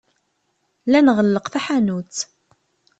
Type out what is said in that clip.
La nɣelleq taḥanut.